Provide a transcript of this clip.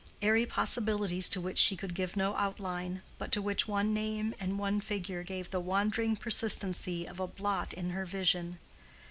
Airy possibilities to which she could give no outline, but to which one name and one figure gave the wandering persistency of a blot in her vision.